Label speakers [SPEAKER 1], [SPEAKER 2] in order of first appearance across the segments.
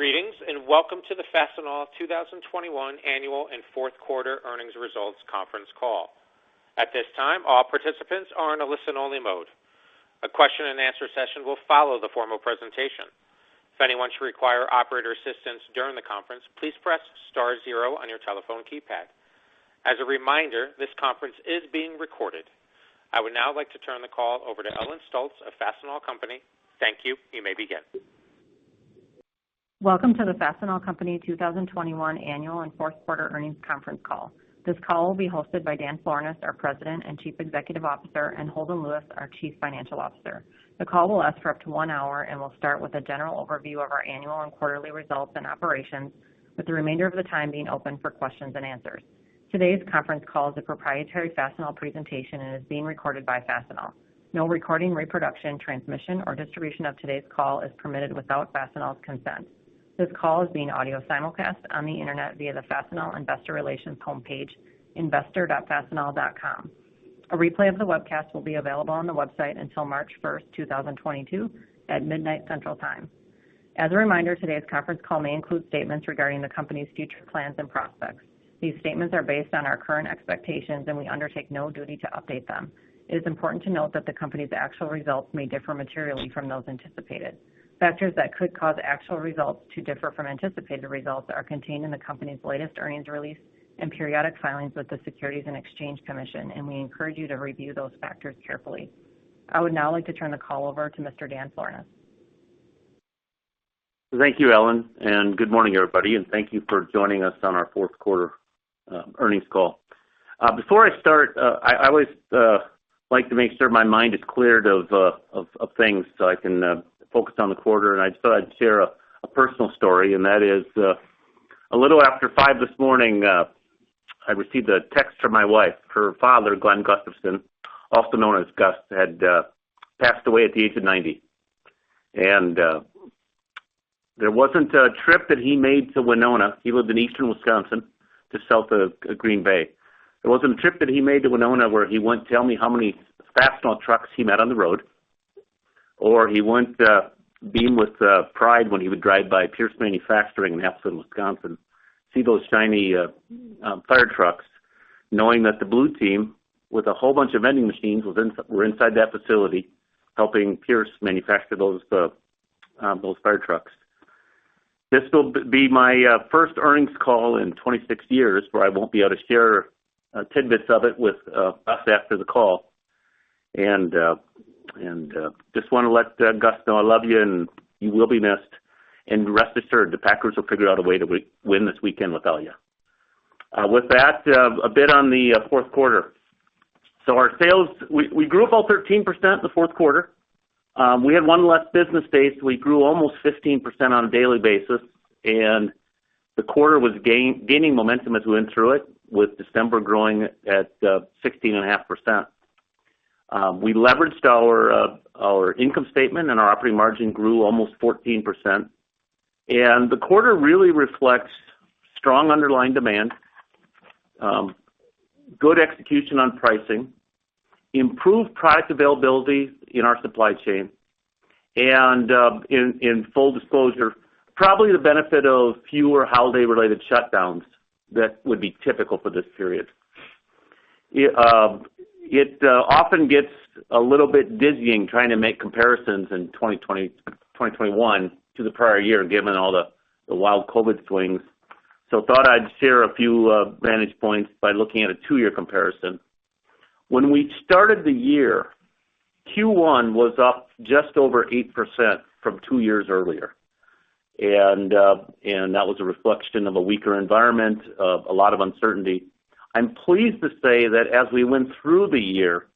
[SPEAKER 1] Greetings, and welcome to the Fastenal 2021 annual and fourth quarter earnings results conference call. At this time, all participants are in a listen-only mode. A question-and-answer session will follow the formal presentation. If anyone should require operator assistance during the conference, please press star zero on your telephone keypad. As a reminder, this conference is being recorded. I would now like to turn the call over to Ellen Stolts of Fastenal Company. Thank you. You may begin.
[SPEAKER 2] Welcome to the Fastenal Company 2021 annual and fourth quarter earnings conference call. This call will be hosted by Dan Florness, our President and Chief Executive Officer, and Holden Lewis, our Chief Financial Officer. The call will last for up to 1 hour, and will start with a general overview of our annual and quarterly results and operations, with the remainder of the time being open for questions and answers. Today's conference call is a proprietary Fastenal presentation and is being recorded by Fastenal. No recording, reproduction, transmission, or distribution of today's call is permitted without Fastenal's consent. This call is being audio simulcast on the internet via the Fastenal Investor Relations homepage, investor.fastenal.com. A replay of the webcast will be available on the website until March 1, 2022 at midnight Central Time. As a reminder, today's conference call may include statements regarding the company's future plans and prospects. These statements are based on our current expectations, and we undertake no duty to update them. It is important to note that the company's actual results may differ materially from those anticipated. Factors that could cause actual results to differ from anticipated results are contained in the company's latest earnings release and periodic filings with the Securities and Exchange Commission, and we encourage you to review those factors carefully. I would now like to turn the call over to Mr. Dan Florness.
[SPEAKER 3] Thank you, Ellen, and good morning, everybody, and thank you for joining us on our fourth quarter earnings call. Before I start, I always like to make sure my mind is cleared of things so I can focus on the quarter, and I just thought I'd share a personal story, and that is, a little after 5 A.M., I received a text from my wife. Her father, Glenn Gustafson, also known as Gus, had passed away at the age of 90. There wasn't a trip that he made to Winona--he lived in eastern Wisconsin, just south of Green Bay--there wasn't a trip that he made to Winona where he wouldn't tell me how many Fastenal trucks he met on the road, or he wouldn't beam with pride when he would drive by Pierce Manufacturing in Appleton, Wisconsin, see those shiny fire trucks, knowing that the blue team with a whole bunch of vending machines were inside that facility helping Pierce manufacture those fire trucks. This will be my first earnings call in 26 years where I won't be able to share tidbits of it with us after the call. Just wanna let Gus know I love you, and you will be missed. Rest assured, the Packers will figure out a way to win this weekend without you. With that, a bit on the fourth quarter. Our sales, we grew 13% in the fourth quarter. We had one less business day, so we grew almost 15% on a daily basis, and the quarter was gaining momentum as we went through it, with December growing at 16.5%. We leveraged our income statement, and our operating margin grew almost 14%. The quarter really reflects strong underlying demand, good execution on pricing, improved product availability in our supply chain, and, in full disclosure, probably the benefit of fewer holiday-related shutdowns that would be typical for this period. It often gets a little bit dizzying trying to make comparisons in 2020, 2021 to the prior year, given all the wild COVID swings. Thought I'd share a few vantage points by looking at a two-year comparison. When we started the year, Q1 was up just over 8% from two years earlier. That was a reflection of a weaker environment, of a lot of uncertainty. I'm pleased to say that as we went through the year,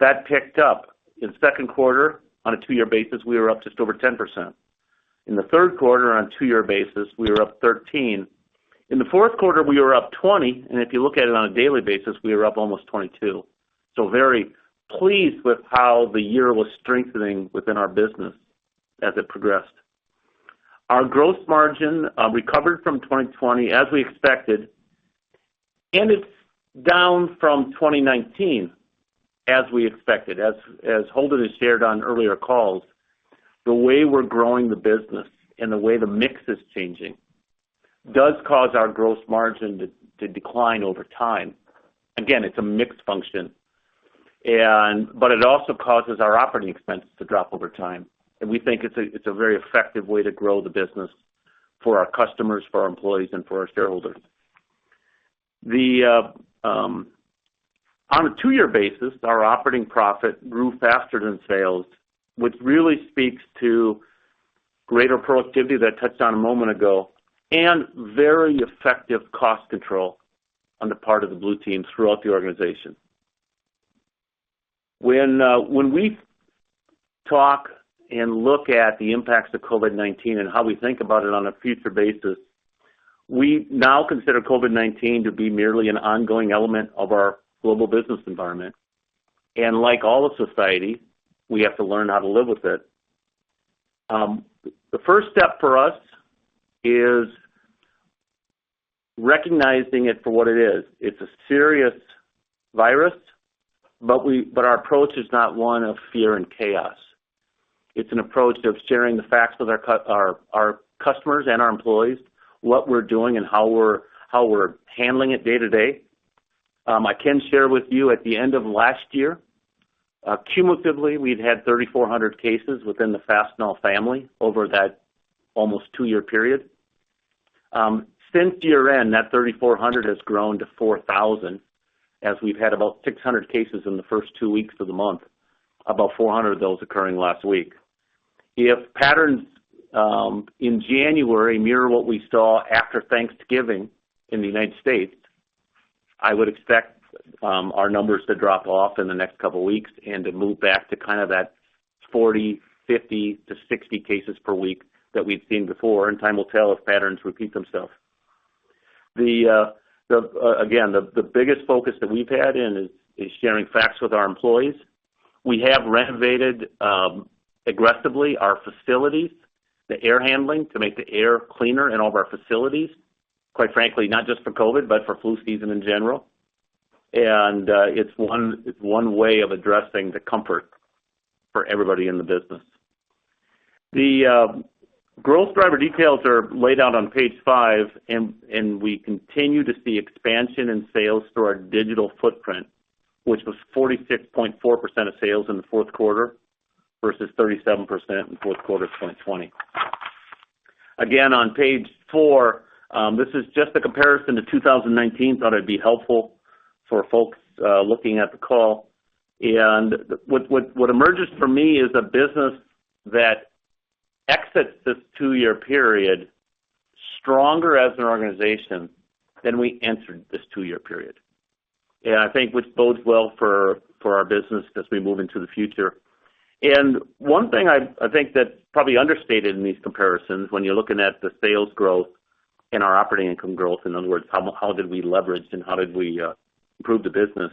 [SPEAKER 3] that picked up. In second quarter, on a two-year basis, we were up just over 10%. In the third quarter, on a two-year basis, we were up 13%. In the fourth quarter, we were up 20%, and if you look at it on a daily basis, we were up almost 22%. Very pleased with how the year was strengthening within our business as it progressed. Our gross margin recovered from 2020, as we expected, and it's down from 2019, as we expected. As Holden has shared on earlier calls, the way we're growing the business and the way the mix is changing does cause our gross margin to decline over time. Again, it's a mix function. But it also causes our operating expenses to drop over time, and we think it's a very effective way to grow the business for our customers, for our employees, and for our shareholders. On a two-year basis, our operating profit grew faster than sales, which really speaks to greater productivity that I touched on a moment ago and very effective cost control on the part of the blue team throughout the organization. When we talk and look at the impacts of COVID-19 and how we think about it on a future basis, we now consider COVID-19 to be merely an ongoing element of our global business environment. Like all of society, we have to learn how to live with it. The first step for us is recognizing it for what it is. It's a serious virus, but our approach is not one of fear and chaos. It's an approach of sharing the facts with our customers and our employees, what we're doing and how we're handling it day to day. I can share with you, at the end of last year, cumulatively, we've had 3,400 cases within the Fastenal family over that almost two-year period. Since year-end, that 3,400 has grown to 4,000, as we've had about 600 cases in the first two weeks of the month. About 400 of those, occurring last week. If patterns in January mirror what we saw after Thanksgiving in the United States, I would expect our numbers to drop off in the next couple of weeks and to move back to kind of that 40, 50 to 60 cases per week that we've seen before, and time will tell if patterns repeat themselves. The biggest focus that we've had, and it is sharing facts with our employees. We have renovated aggressively our facilities, the air handling, to make the air cleaner in all of our facilities, quite frankly, not just for COVID, but for flu season, in general. It's one way of addressing the comfort for everybody in the business. The growth driver details are laid out on page 5, and we continue to see expansion in sales through our digital footprint, which was 46.4% of sales in the fourth quarter versus 37% in fourth quarter of 2020. Again, on page 4, this is just a comparison to 2019, thought it'd be helpful for folks looking at the call. What emerges for me is a business that exits this two-year period stronger as an organization than we entered this two-year period, and I think which bodes well for our business as we move into the future. One thing I think that probably understated in these comparisons, when you're looking at the sales growth and our operating income growth, in other words, how did we leverage and how did we improve the business?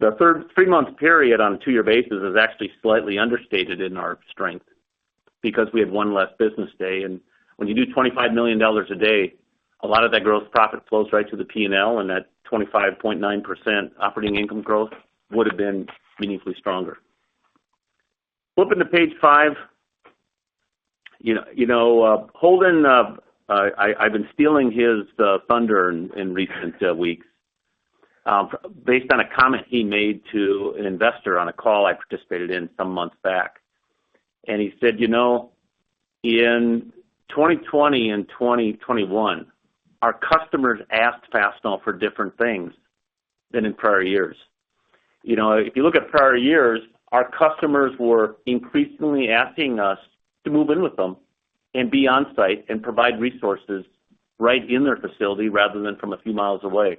[SPEAKER 3] The third three-month period on a two-year basis is actually slightly understated in our strength because we had one less business day. When you do $25 million a day, a lot of that growth profit flows right to the P&L, and that 25.9% operating income growth would've been meaningfully stronger. Flipping to page 5. You know, Holden, I've been stealing his thunder in recent weeks, based on a comment he made to an investor on a call I participated in some months back. He said, "You know, in 2020 and 2021, our customers asked Fastenal for different things than in prior years." You know, if you look at prior years, our customers were increasingly asking us to move in with them and be on-site and provide resources right in their facility rather than from a few miles away.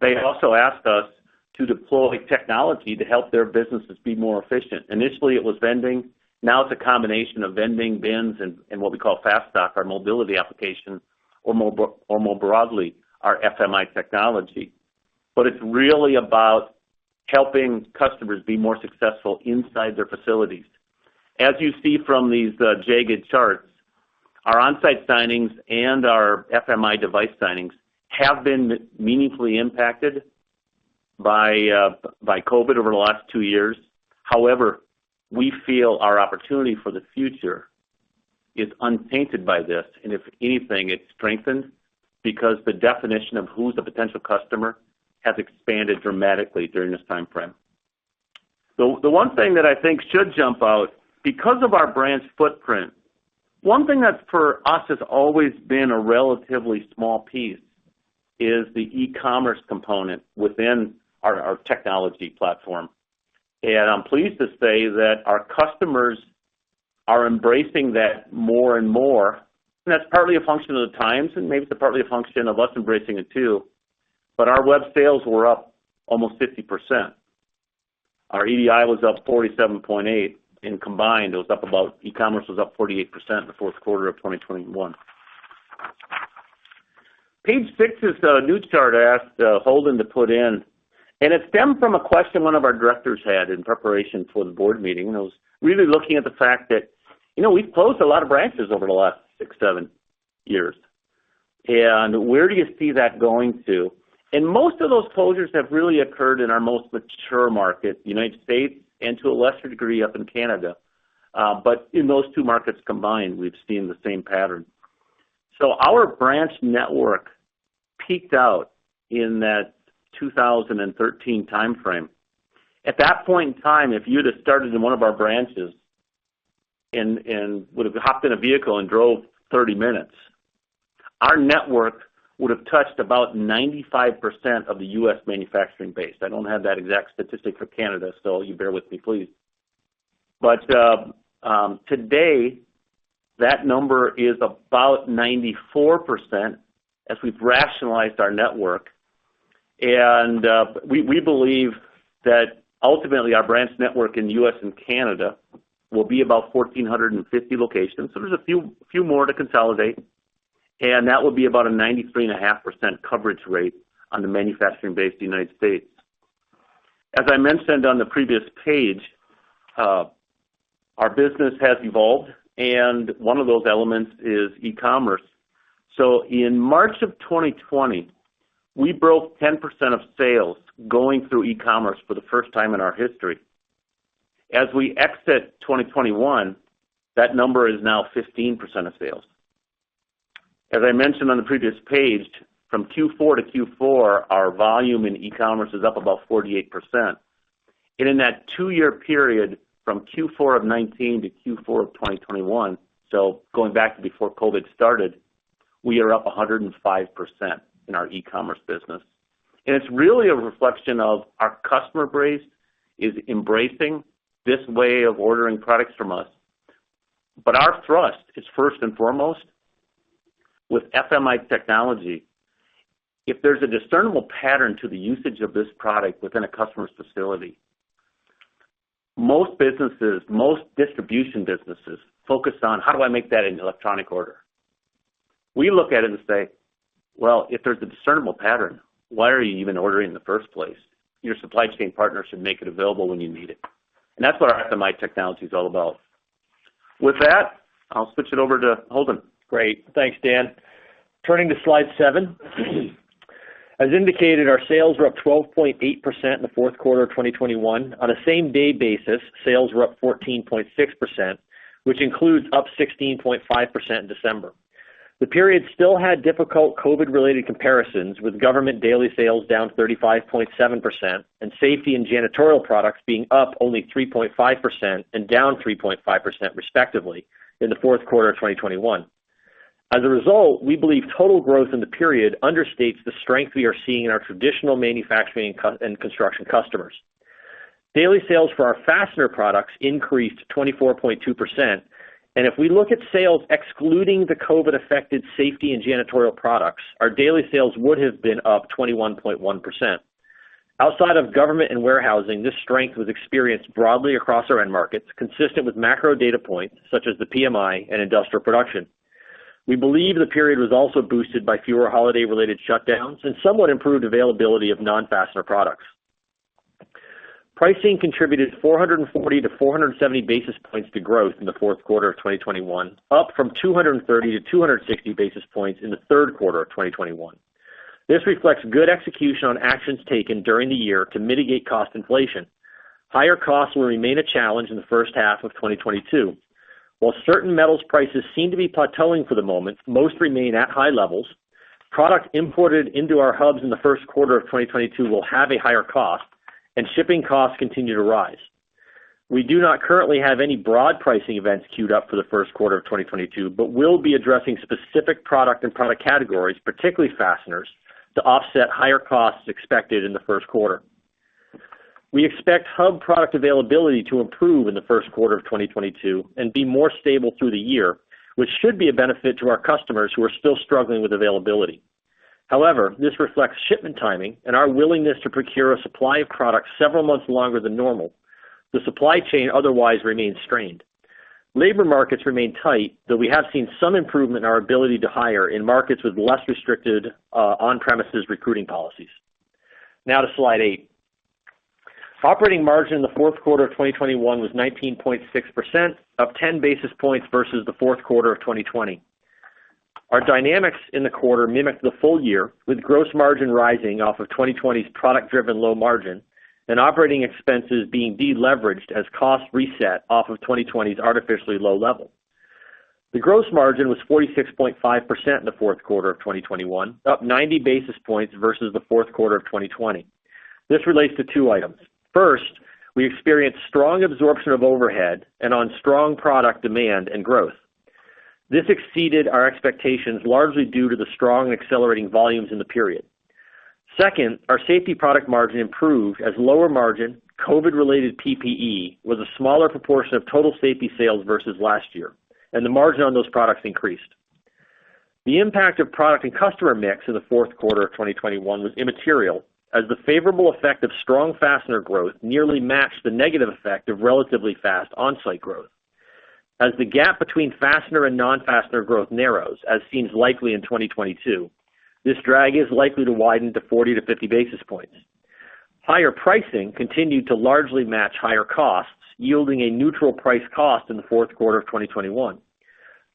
[SPEAKER 3] They also asked us to deploy technology to help their businesses be more efficient. Initially, it was vending. Now, it's a combination of vending, bins, and what we call FASTStock, our mobility application, or more broadly, our FMI technology. But it's really about helping customers be more successful inside their facilities. As you see from these jagged charts, our on-site signings and our FMI device signings have been meaningfully impacted by COVID over the last two years. However, we feel our opportunity for the future is untainted by this, and if anything, it's strengthened because the definition of who's the potential customer has expanded dramatically during this time frame. The one thing that I think should jump out, because of our brand's footprint, one thing that, for us, has always been a relatively small piece is the e-commerce component within our technology platform. I'm pleased to say that our customers are embracing that more and more. That's partly a function of the times, and maybe it's partly a function of us embracing it, too, but our web sales were up almost 50%. Our EDI was up 47.8%, and combined, it was up, e-commerce was up 48% in the fourth quarter of 2021. Page 6 is the new chart I asked Holden to put in, and it stemmed from a question one of our directors had in preparation for the board meeting. It was really looking at the fact that, you know, we've closed a lot of branches over the last six, seven years. Where do you see that going to? Most of those closures have really occurred in our most mature market, United States, and to a lesser degree, up in Canada. In those two markets combined, we've seen the same pattern. Our branch network peaked out in that 2013 timeframe. At that point in time, if you'd have started in one of our branches, and would've hopped in a vehicle and drove 30 minutes, our network would've touched about 95% of the U.S. manufacturing base. I don't have that exact statistic for Canada, so you bear with me, please. Today, that number is about 94% as we've rationalized our network. We believe that ultimately our branch network in the U.S. and Canada will be about 1,450 locations. There's a few more to consolidate, and that would be about a 93.5% coverage rate on the manufacturing base of the United States. As I mentioned on the previous page, our business has evolved, and one of those elements is e-commerce. In March of 2020, we broke 10% of sales going through e-commerce for the first time in our history. As we exit 2021, that number is now 15% of sales. As I mentioned on the previous page, from Q4 to Q4, our volume in e-commerce is up about 48%. In that two-year period, from Q4 of 2019 to Q4 of 2021, so going back to before COVID started, we are up 105% in our e-commerce business. It's really a reflection of our customer base is embracing this way of ordering products from us. Our thrust is first and foremost with FMI technology. If there's a discernible pattern to the usage of this product within a customer's facility, most businesses, most distribution businesses focus on, how do I make that an electronic order? We look at it and say, "Well, if there's a discernible pattern, why are you even ordering in the first place? Your supply chain partner should make it available when you need it." That's what our FMI technology is all about. With that, I'll switch it over to Holden.
[SPEAKER 4] Great. Thanks, Dan. Turning to slide 7. As indicated, our sales were up 12.8% in the fourth quarter of 2021. On a same-day basis, sales were up 14.6%, which includes up 16.5% in December. The period still had difficult COVID-related comparisons, with government daily sales down 35.7% and safety and janitorial products being up only 3.5% and down 3.5%, respectively, in the fourth quarter of 2021. As a result, we believe total growth in the period understates the strength we are seeing in our traditional manufacturing and construction customers. Daily sales for our fastener products increased 24.2%. If we look at sales excluding the COVID-affected safety and janitorial products, our daily sales would have been up 21.1%. Outside of government and warehousing, this strength was experienced broadly across our end markets, consistent with macro data points such as the PMI and industrial production. We believe the period was also boosted by fewer holiday-related shutdowns and somewhat improved availability of non-fastener products. Pricing contributed 440-470 basis points to growth in the fourth quarter of 2021, up from 230-260 basis points in the third quarter of 2021. This reflects good execution on actions taken during the year to mitigate cost inflation. Higher costs will remain a challenge in the first half of 2022. While certain metals prices seem to be plateauing for the moment, most remain at high levels. Products imported into our hubs in the first quarter of 2022 will have a higher cost, and shipping costs continue to rise. We do not currently have any broad pricing events queued up for the first quarter of 2022, but we'll be addressing specific product and product categories, particularly fasteners, to offset higher costs expected in the first quarter. We expect hub product availability to improve in the first quarter of 2022, and be more stable through the year, which should be a benefit to our customers who are still struggling with availability. However, this reflects shipment timing and our willingness to procure a supply of products several months longer than normal. The supply chain otherwise remains strained. Labor markets remain tight, though we have seen some improvement in our ability to hire in markets with less restricted on-premises recruiting policies. Now to slide 8. Operating margin in the fourth quarter of 2021 was 19.6%, up 10 basis points versus the fourth quarter of 2020. Our dynamics in the quarter mimic the full year, with gross margin rising off of 2020's product-driven low margin and operating expenses being de-leveraged as costs reset off of 2020's artificially low level. The gross margin was 46.5% in the fourth quarter of 2021, up 90 basis points versus the fourth quarter of 2020. This relates to two items. First, we experienced strong absorption of overhead and on strong product demand and growth. This exceeded our expectations largely due to the strong accelerating volumes in the period. Second, our safety product margin improved as lower margin COVID-related PPE was a smaller proportion of total safety sales versus last year, and the margin on those products increased. The impact of product and customer mix in the fourth quarter of 2021 was immaterial, as the favorable effect of strong fastener growth nearly matched the negative effect of relatively fast on-site growth. The gap between fastener and non-fastener growth narrows, as seems likely in 2022, this drag is likely to widen to 40-50 basis points. Higher pricing continued to largely match higher costs, yielding a neutral price cost in the fourth quarter of 2021.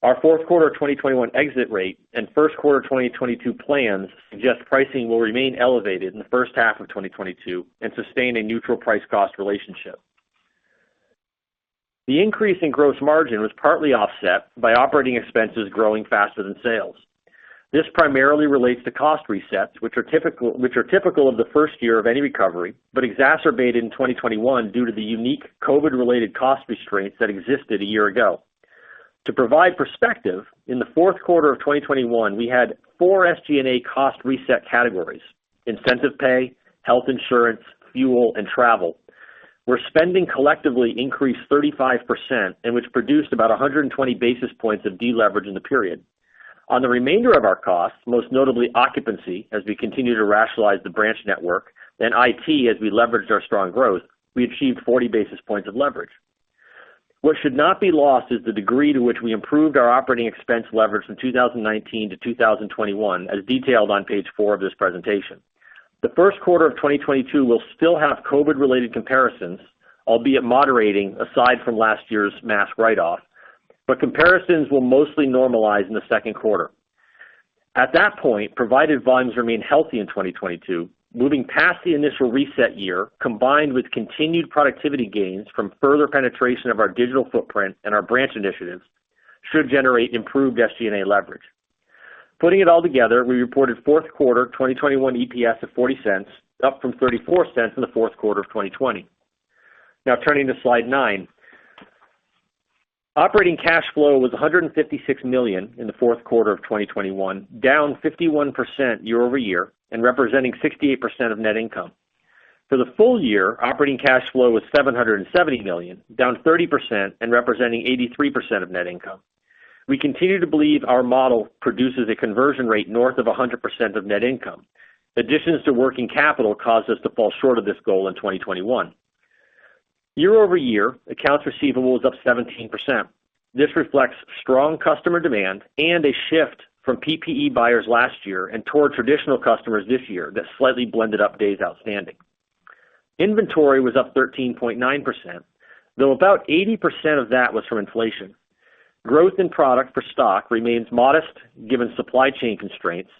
[SPEAKER 4] Our fourth quarter of 2021 exit rate and first quarter of 2022 plans suggest pricing will remain elevated in the first half of 2022 and sustain a neutral price cost relationship. The increase in gross margin was partly offset by operating expenses growing faster than sales. This primarily relates to cost resets, which are typical of the first year of any recovery, but exacerbated in 2021 due to the unique COVID-related cost restraints that existed a year ago. To provide perspective, in the fourth quarter of 2021, we had four SG&A cost reset categories - incentive pay, health insurance, fuel, and travel - where spending collectively increased 35%, and which produced about 120 basis points of deleverage in the period. On the remainder of our costs, most notably occupancy, as we continue to rationalize the branch network, then IT, as we leveraged our strong growth, we achieved 40 basis points of leverage. What should not be lost is the degree to which we improved our operating expense leverage from 2019 to 2021, as detailed on page 4 of this presentation. The first quarter of 2022 will still have COVID-related comparisons, albeit moderating aside from last year's mask write-off, but comparisons will mostly normalize in the second quarter. At that point, provided volumes remain healthy in 2022, moving past the initial reset year, combined with continued productivity gains from further penetration of our digital footprint and our branch initiatives should generate improved SG&A leverage. Putting it all together, we reported fourth quarter 2021 EPS of $0.40, up from $0.34 in the fourth quarter of 2020. Now turning to slide 9. Operating cash flow was $156 million in the fourth quarter of 2021, down 51% year-over-year, and representing 68% of net income. For the full year, operating cash flow was $770 million, down 30%, and representing 83% of net income. We continue to believe our model produces a conversion rate north of 100% of net income. Additions to working capital caused us to fall short of this goal in 2021. Year-over-year, accounts receivable was up 17%. This reflects strong customer demand and a shift from PPE buyers last year and toward traditional customers this year that slightly blended up days outstanding. Inventory was up 13.9%, though about 80% of that was from inflation. Growth in product for stock remains modest given supply chain constraints,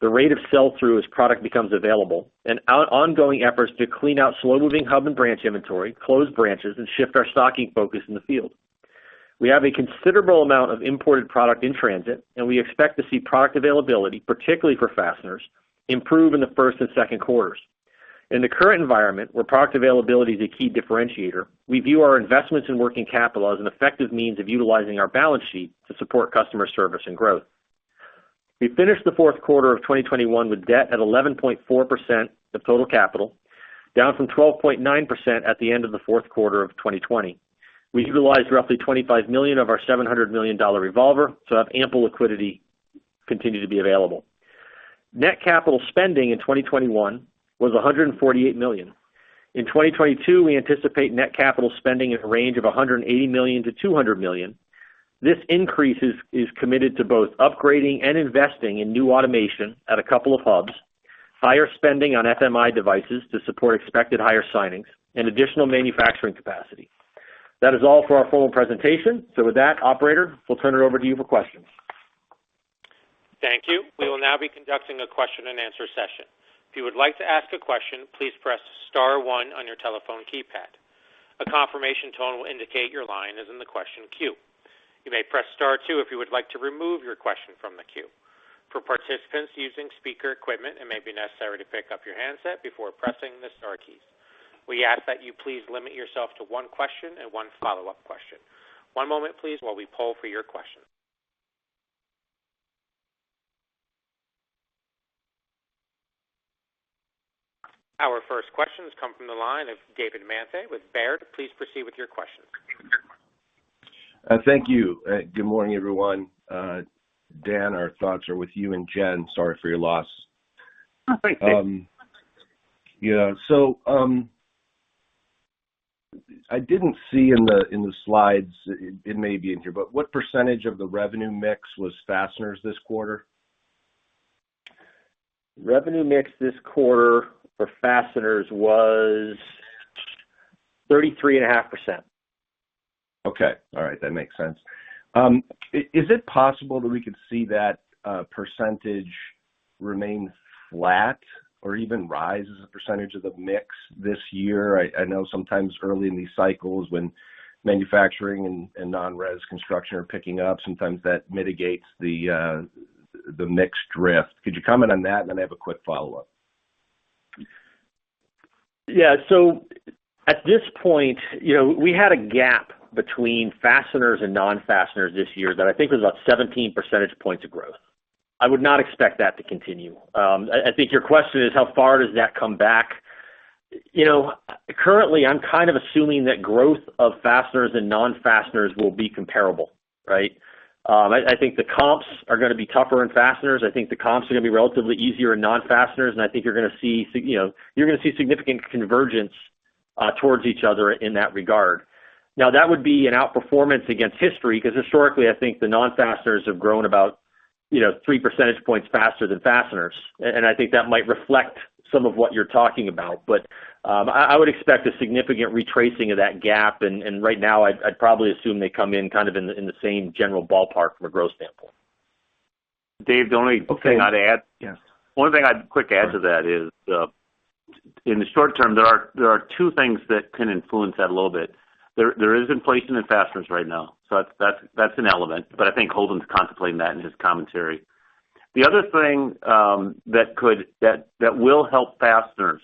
[SPEAKER 4] the rate of sell-through as product becomes available, and our ongoing efforts to clean out slow-moving hub and branch inventory, close branches, and shift our stocking focus in the field. We have a considerable amount of imported product in transit, and we expect to see product availability, particularly for fasteners, improve in the first and second quarters. In the current environment, where product availability is a key differentiator, we view our investments in working capital as an effective means of utilizing our balance sheet to support customer service and growth. We finished the fourth quarter of 2021 with debt at 11.4% of total capital, down from 12.9% at the end of the fourth quarter of 2020. We utilized roughly $25 million of our $700 million revolver, so we have ample liquidity continue to be available. Net capital spending in 2021 was $148 million. In 2022, we anticipate net capital spending in a range of $180 million-$200 million. This increase is committed to both upgrading and investing in new automation at a couple of hubs, higher spending on FMI devices to support expected higher signings, and additional manufacturing capacity. That is all for our formal presentation. With that, operator, we'll turn it over to you for questions.
[SPEAKER 1] Thank you. We will now be conducting a question-and-answer session. If you would like to ask a question, please press star one on your telephone keypad. A confirmation tone will indicate your line is in the question queue. You may press star two if you would like to remove your question from the queue. For participants using speaker equipment, it may be necessary to pick up your handset before pressing the star keys. We ask that you please limit yourself to one question and one follow-up question. One moment please while we poll for your question. Our first questions come from the line of David Manthey with Baird. Please proceed with your questions.
[SPEAKER 5] Thank you. Good morning, everyone. Dan, our thoughts are with you and Jen. Sorry for your loss.
[SPEAKER 3] Thank you.
[SPEAKER 5] Yeah. I didn't see in the slides, it may be in here, but what percentage of the revenue mix was fasteners this quarter?
[SPEAKER 4] Revenue mix this quarter for fasteners was 33.5%.
[SPEAKER 5] Okay. All right. That makes sense. Is it possible that we could see that percentage remain flat or even rise as a percentage of the mix this year? I know sometimes early in these cycles when manufacturing and non-res construction are picking up, sometimes that mitigates the mix drift. Could you comment on that? Then I have a quick follow-up.
[SPEAKER 4] Yeah. At this point, you know, we had a gap between fasteners and non-fasteners this year that I think was about 17 percentage points of growth. I would not expect that to continue. I think your question is how far does that come back? You know, currently, I'm kind of assuming that growth of fasteners and non-fasteners will be comparable, right? I think the comps are gonna be tougher in fasteners. I think the comps are gonna be relatively easier in non-fasteners. I think you're gonna see, you know, significant convergence towards each other in that regard. Now, that would be an outperformance against history, because, historically, I think the non-fasteners have grown about, you know, 3 percentage points faster than fasteners. I think that might reflect some of what you're talking about. I would expect a significant retracing of that gap. Right now, I'd probably assume they come in kind of in the same general ballpark from a growth standpoint.
[SPEAKER 3] Dave, the only thing I'd add.
[SPEAKER 5] Yes.
[SPEAKER 3] One thing I'd quickly add to that is, in the short term, there are two things that can influence that a little bit. There is inflation in fasteners right now, so that's an element, but I think Holden's contemplating that in his commentary. The other thing that will help fasteners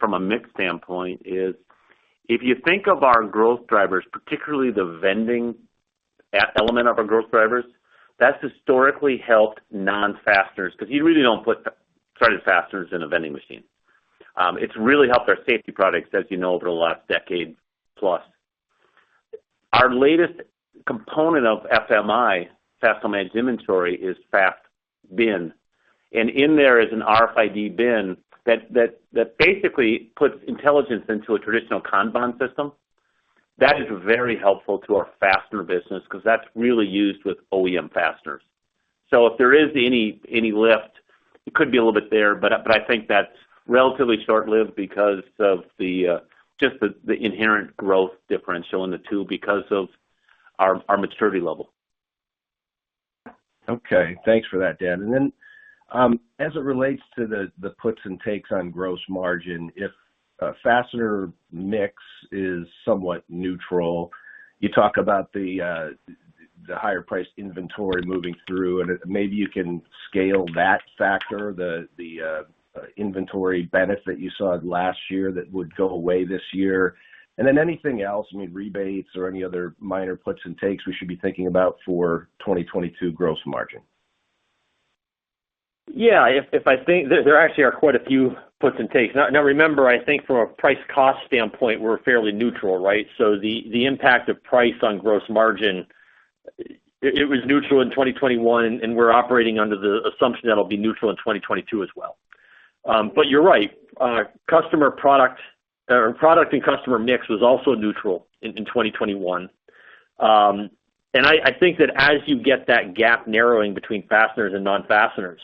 [SPEAKER 3] from a mix standpoint is, if you think of our growth drivers, particularly the vending element of our growth drivers, that's historically helped non-fasteners because you really don't put threaded fasteners in a vending machine. It's really helped our safety products, as you know, over the last decade plus. Our latest component of FMI, Fastenal Managed Inventory, is FASTBin. In there is an RFID bin that basically puts intelligence into a traditional Kanban system. That is very helpful to our fastener business because that's really used with OEM fasteners. If there is any lift, it could be a little bit there, but I think that's relatively short-lived because of just the inherent growth differential in the two because of our maturity level.
[SPEAKER 5] Okay. Thanks for that, Dan. Then, as it relates to the puts and takes on gross margin, if a fastener mix is somewhat neutral, you talk about the higher priced inventory moving through, and maybe you can scale that factor, the inventory benefit you saw last year that would go away this year. Then, anything else, I mean, rebates or any other minor puts and takes we should be thinking about for 2022 gross margin.
[SPEAKER 4] Yeah. If I think there actually are quite a few puts and takes. Now, remember, I think from a price cost standpoint, we're fairly neutral, right? The impact of price on gross margin, it was neutral in 2021, and we're operating under the assumption that it'll be neutral in 2022 as well. But, you're right. Customer product or product and customer mix was also neutral in 2021. And I think that as you get that gap narrowing between fasteners and non-fasteners,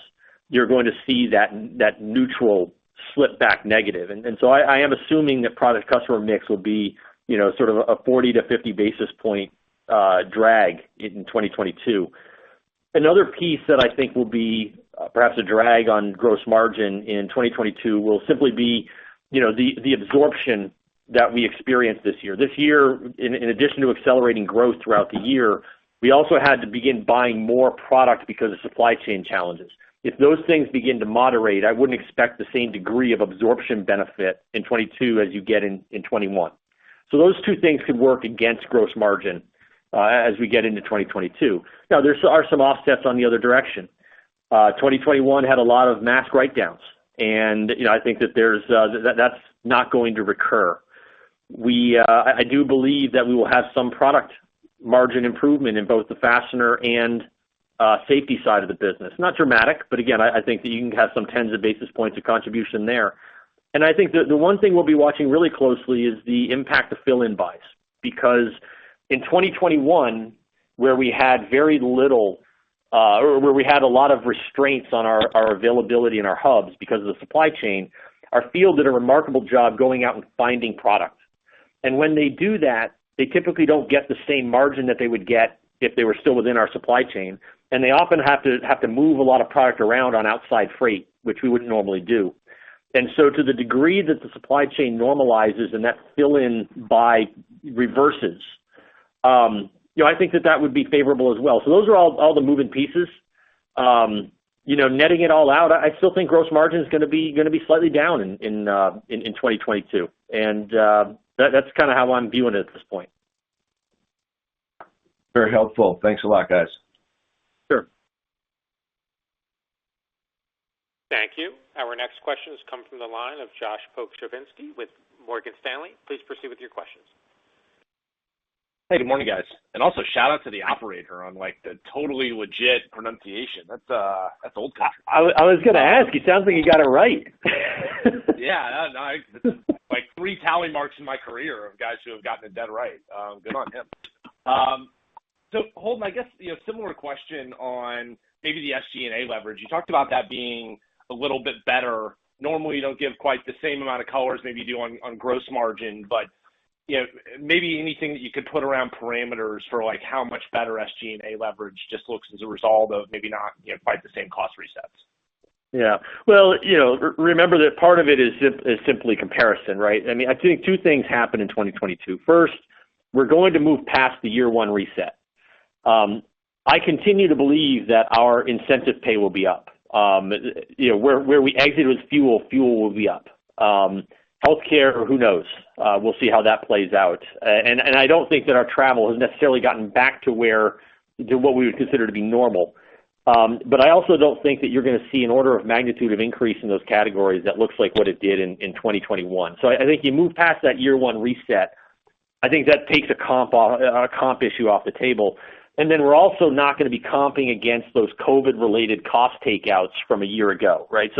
[SPEAKER 4] you're going to see that neutral slip back negative. So, I am assuming that product customer mix will be, you know, sort of a 40-50 basis point drag in 2022. Another piece that I think will be perhaps a drag on gross margin in 2022 will simply be, you know, the absorption that we experienced this year. This year, in addition to accelerating growth throughout the year, we also had to begin buying more product because of supply chain challenges. If those things begin to moderate, I wouldn't expect the same degree of absorption benefit in 2022 as you get in 2021. Those two things could work against gross margin as we get into 2022. Now, there are some offsets in the other direction. 2021 had a lot of mass write-downs. You know, I think that that's not going to recur. I do believe that we will have some product margin improvement in both the fastener and safety side of the business. Not dramatic, but again, I think that you can have some tens of basis points of contribution there. I think the one thing we'll be watching really closely is the impact of fill-in buys. Because in 2021, where we had a lot of restraints on our availability in our hubs because of the supply chain, our field did a remarkable job going out and finding product. When they do that, they typically don't get the same margin that they would get if they were still within our supply chain, and they often have to move a lot of product around on outside freight, which we wouldn't normally do. To the degree that the supply chain normalizes and that fill-in buy reverses, you know, I think that would be favorable as well. Those are all the moving pieces. You know, netting it all out, I still think gross margin is gonna be slightly down in 2022. That's kinda how I'm viewing it at this point.
[SPEAKER 5] Very helpful. Thanks a lot, guys.
[SPEAKER 4] Sure.
[SPEAKER 1] Thank you. Our next question has come from the line of Josh Pokrzywinski with Morgan Stanley. Please proceed with your questions.
[SPEAKER 6] Hey, good morning, guys. Shout out to the operator on, like, the totally legit pronunciation. That's old country.
[SPEAKER 4] I was gonna ask. It sounds like he got it right.
[SPEAKER 6] Yeah. No, no. This is my three tally marks in my career of guys who have gotten it dead right. Good on him. Holden, I guess, you know, similar question on maybe the SG&A leverage. You talked about that being a little bit better. Normally, you don't give quite the same amount of colors, maybe you do, on gross margin. You know, maybe, anything that you could put around parameters for, like, how much better SG&A leverage just looks as a result of, maybe, not, you know, quite the same cost resets.
[SPEAKER 4] Yeah. Well, you know, remember that part of it is simply comparison, right? I mean, I think two things happen in 2022. First, we're going to move past the year one reset. I continue to believe that our incentive pay will be up. You know, where we exited with fuel, fuel will be up. Healthcare, who knows? We'll see how that plays out. And I don't think that our travel has necessarily gotten back to what we would consider to be normal. But, I also don't think that you're gonna see an order of magnitude of increase in those categories that looks like what it did in 2021. I think you move past that year one reset. I think that takes a comp issue off the table. Then, we're also not gonna be comping against those COVID-related cost takeouts from a year ago, right?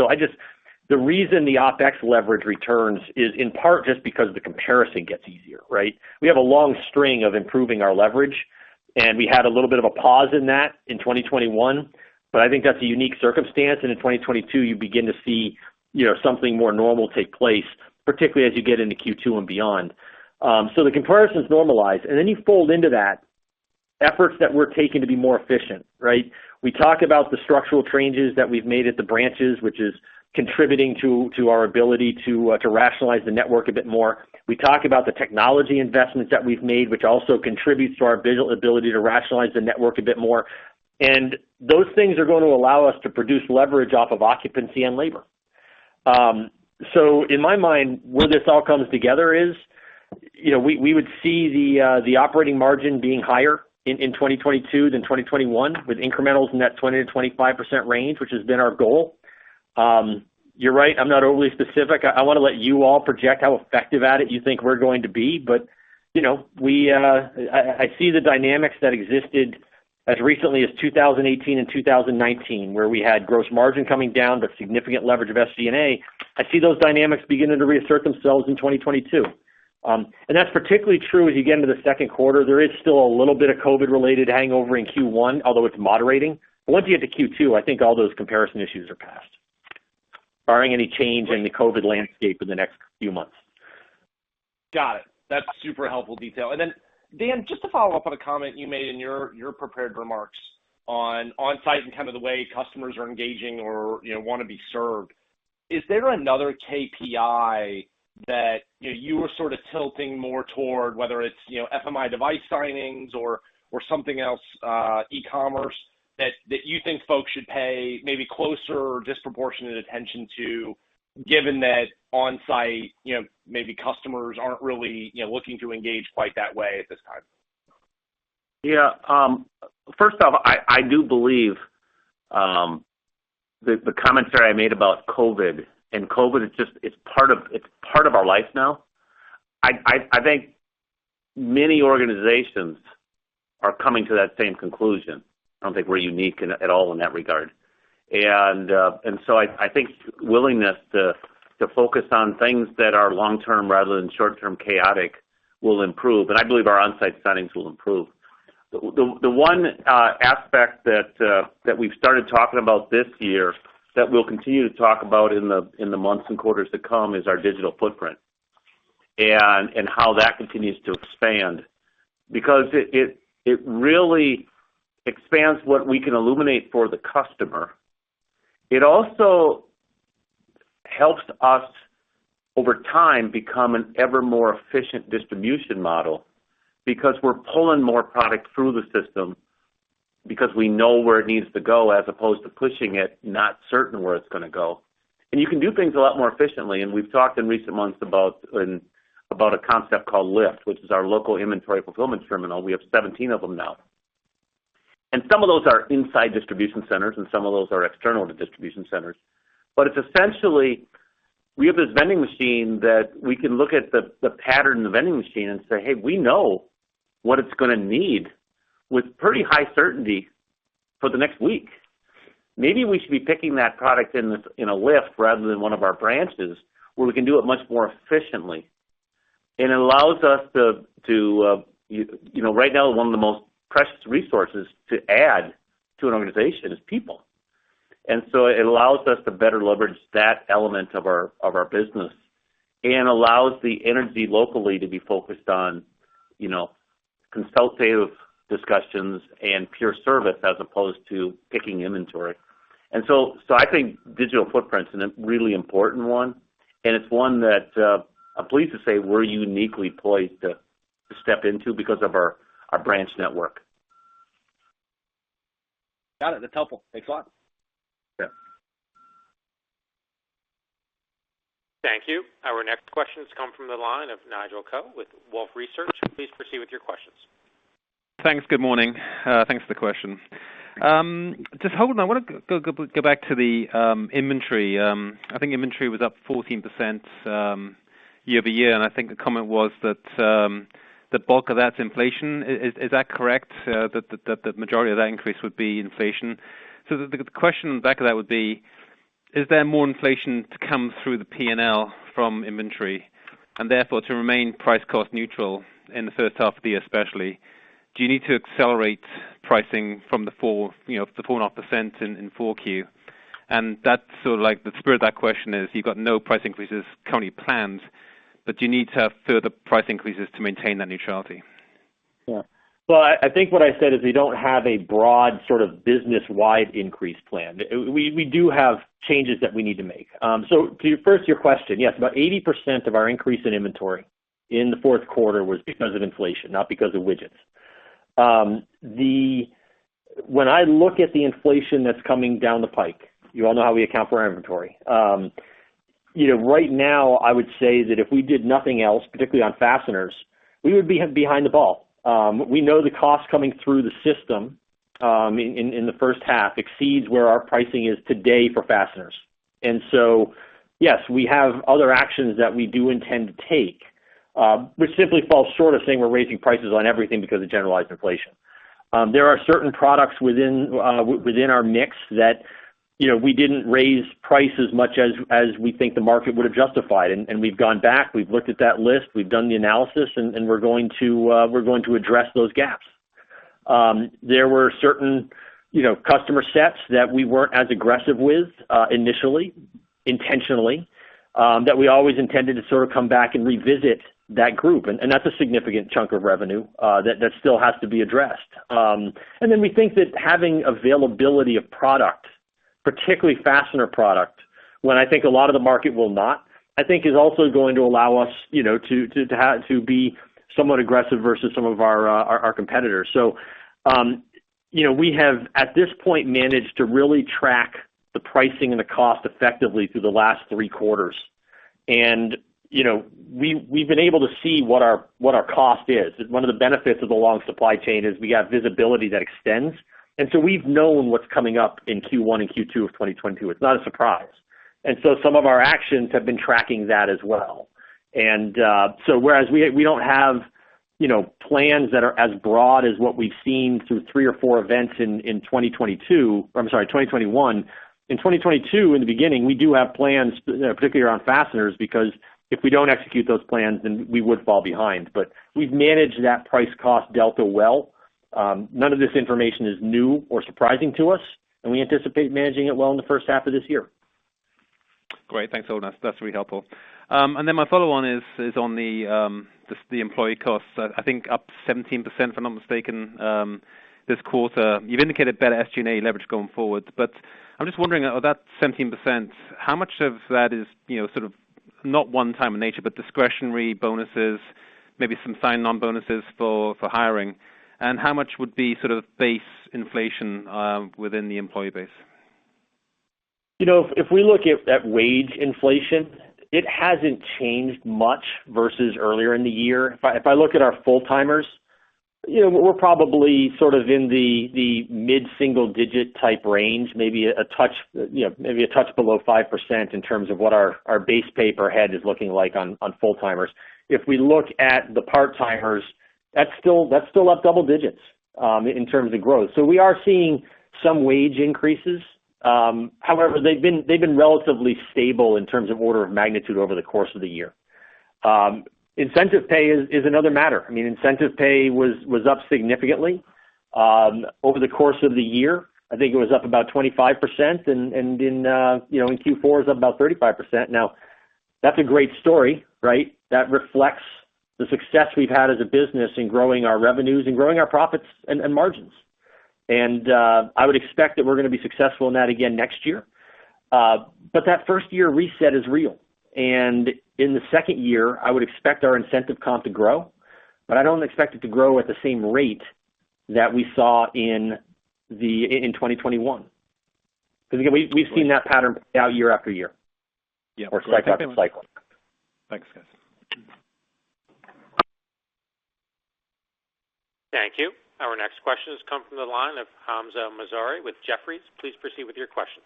[SPEAKER 4] I just--The reason the OpEx leverage returns is in part just because the comparison gets easier, right? We have a long string of improving our leverage, and we had a little bit of a pause in that in 2021, but I think that's a unique circumstance. In 2022, you begin to see, you know, something more normal take place, particularly as you get into Q2 and beyond. The comparison is normalized. Then you fold into that efforts that we're taking to be more efficient, right? We talk about the structural changes that we've made at the branches, which is contributing to our ability to rationalize the network a bit more. We talk about the technology investments that we've made, which also contributes to our visual ability to rationalize the network a bit more. Those things are going to allow us to produce leverage off of occupancy and labor. In my mind, where this all comes together is, you know, we would see the operating margin being higher in 2022 than 2021 with incrementals in that 20%-25% range, which has been our goal. You're right. I'm not overly specific. I wanna let you all project how effective at it you think we're going to be. You know, I see the dynamics that existed as recently as 2018 and 2019, where we had gross margin coming down, but significant leverage of SG&A. I see those dynamics beginning to reassert themselves in 2022. That's particularly true as you get into the second quarter. There is still a little bit of COVID-related hangover in Q1, although it's moderating. Once you get to Q2, I think all those comparison issues are past, barring any change in the COVID landscape in the next few months.
[SPEAKER 6] Got it. That's super helpful detail. Then, Dan, just to follow up on a comment you made in your prepared remarks on on-site and kind of the way customers are engaging or, you know, wanna be served. Is there another KPI that, you know, you were sort of tilting more toward whether it's, you know, FMI device signings or something else, e-commerce that you think folks should pay maybe closer or disproportionate attention to, given that on-site, you know, maybe customers aren't really, you know, looking to engage quite that way at this time?
[SPEAKER 3] Yeah. First off, I do believe the commentary I made about COVID. COVID, it's just part of our life now. I think many organizations are coming to that same conclusion. I don't think we're unique at all in that regard. I think willingness to focus on things that are long-term rather than short-term chaotic will improve, and I believe our on-site signings will improve. The one aspect that we've started talking about this year that we'll continue to talk about in the months and quarters to come is our digital footprint, and how that continues to expand because it really expands what we can illuminate for the customer. It also helps us, over time, become an ever more efficient distribution model because we're pulling more product through the system because we know where it needs to go as opposed to pushing it, not certain where it's gonna go. You can do things a lot more efficiently We've talked in recent months about a concept called LIFT, which is our Local Inventory Fulfillment Terminal. We have 17 of them now. Some of those are inside distribution centers, and some of those are external to distribution centers. It's, essentially, we have this vending machine that we can look at the pattern in the vending machine and say, "Hey, we know what it's gonna need with pretty high certainty for the next week. Maybe we should be picking that product in a LIFT rather than one of our branches where we can do it much more efficiently." It allows us to--you know, right now, one of the most precious resources to add to an organization is people. It allows us to better leverage that element of our business and allows the energy locally to be focused on, you know, consultative discussions and pure service as opposed to picking inventory. I think digital footprint is a really important one, and it's one that I'm pleased to say we're uniquely poised to step into because of our branch network.
[SPEAKER 6] Got it. That's helpful. Thanks a lot.
[SPEAKER 3] Yeah.
[SPEAKER 1] Thank you. Our next question has come from the line of Nigel Coe with Wolfe Research. Please proceed with your questions.
[SPEAKER 7] Thanks. Good morning. Thanks for the question. Just holding on, I wanna go back to the inventory. I think inventory was up 14%, year-over-year, and I think the comment was that the bulk of that's inflation. Is that correct, that the majority of that increase would be inflation? The question back of that would be: Is there more inflation to come through the P&L from inventory, and therefore to remain price-cost neutral in the first half of the year, especially, do you need to accelerate pricing from the 4%, you know, the 4.5% in 4Q? That's sort of, like, the spirit of that question is, you've got no price increases currently planned, but do you need to have further price increases to maintain that neutrality?
[SPEAKER 4] Well, I think what I said is we don't have a broad sort of business-wide increase plan. We do have changes that we need to make. To your first question, yes, about 80% of our increase in inventory in the fourth quarter was because of inflation, not because of widgets. When I look at the inflation that's coming down the pike, you all know how we account for our inventory. You know, right now, I would say that if we did nothing else, particularly on fasteners, we would be behind the ball. We know the cost coming through the system in the first half exceeds where our pricing is today for fasteners. Yes, we have other actions that we do intend to take, which simply falls short of saying we're raising prices on everything because of generalized inflation. There are certain products within our mix that, you know, we didn't raise price as much as we think the market would have justified. We've gone back, we've looked at that list, we've done the analysis, and we're going to address those gaps. There were certain, you know, customer sets that we weren't as aggressive with initially, intentionally, that we always intended to sort of come back and revisit that group. That's a significant chunk of revenue that still has to be addressed. We think that having availability of product, particularly fastener product, when I think a lot of the market will not, I think is also going to allow us, you know, to be somewhat aggressive versus some of our competitors. You know, we have, at this point, managed to really track the pricing and the cost effectively through the last three quarters. You know, we've been able to see what our cost is. One of the benefits of the long supply chain is we have visibility that extends. We've known what's coming up in Q1 and Q2 of 2022. It's not a surprise. Some of our actions have been tracking that as well. Whereas we don't have, you know, plans that are as broad as what we've seen through three or four events in 2022, sorry, in 2021. In 2022, in the beginning, we do have plans, particularly around fasteners, because if we don't execute those plans, then we would fall behind. We've managed that price cost delta well. None of this information is new or surprising to us, and we anticipate managing it well in the first half of this year.
[SPEAKER 7] Great. Thanks, Holden. That's really helpful. And then, my follow on is on the employee costs, I think up 17%, if I'm not mistaken, this quarter. You've indicated better SG&A leverage going forward. I'm just wondering, of that 17%, how much of that is, you know, sort of not one time in nature, but discretionary bonuses, maybe some sign-on bonuses for hiring, and how much would be sort of base inflation within the employee base?
[SPEAKER 4] You know, if we look at wage inflation, it hasn't changed much versus earlier in the year. If I look at our full-timers, you know, we're probably sort of in the mid-single-digit type range, maybe a touch, you know, maybe a touch below 5% in terms of what our base pay per head is looking like on full-timers. If we look at the part-timers, that's still up double-digits in terms of growth. We are seeing some wage increases. However, they've been relatively stable in terms of order of magnitude over the course of the year. Incentive pay is another matter. I mean, incentive pay was up significantly over the course of the year. I think it was up about 25% and in, you know, in Q4, it's up about 35%. Now, that's a great story, right? That reflects the success we've had as a business in growing our revenues and growing our profits and margins. I would expect that we're gonna be successful in that again next year. That first year reset is real. In the second year, I would expect our incentive comp to grow, but I don't expect it to grow at the same rate that we saw in 2021. Because, again, we've seen that pattern now year after year.
[SPEAKER 7] Yeah.
[SPEAKER 4] Cycle after cycle.
[SPEAKER 7] Thanks, guys.
[SPEAKER 1] Thank you. Our next question has come from the line of Hamzah Mazari with Jefferies. Please proceed with your questions.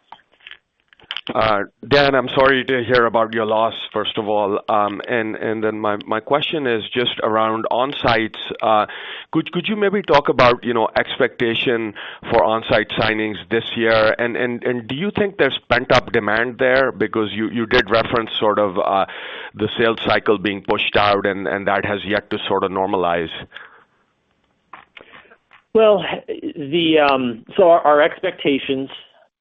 [SPEAKER 8] Dan, I'm sorry to hear about your loss, first of all. My question is just around onsites. Could you maybe talk about, you know, expectation for onsite signings this year? Do you think there's pent-up demand there? Because you did reference sort of the sales cycle being pushed out, and that has yet to sort of normalize.
[SPEAKER 4] Well, our expectations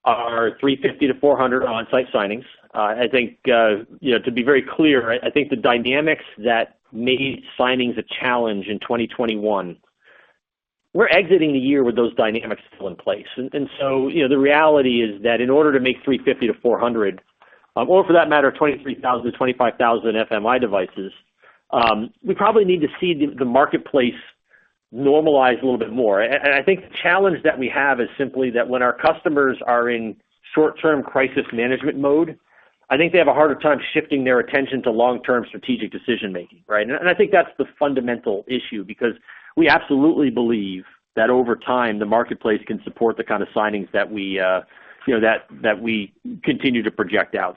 [SPEAKER 4] are 350-400 onsite signings. I think, you know, to be very clear, I think the dynamics that made signings a challenge in 2021, we're exiting the year with those dynamics still in place. You know, the reality is that in order to make 350-400 signings, or for that matter, 23,000-25,000 FMI devices, we probably need to see the marketplace normalize a little bit more. I think the challenge that we have is simply that when our customers are in short-term crisis management mode, I think they have a harder time shifting their attention to long-term strategic decision-making, right? I think that's the fundamental issue because we absolutely believe that over time, the marketplace can support the kind of signings that we you know continue to project out.